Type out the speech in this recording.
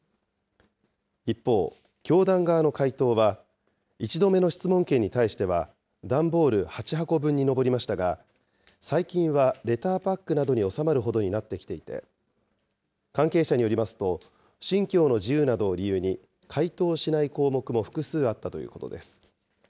一方、教団側の回答は１度目の質問権に対しては、段ボール８箱分に上りましたが、最近はレターパックなどに収まるほどになってきていて、関係者によりますと、信教の自由などを理由に回答しない項目も複数あったということです。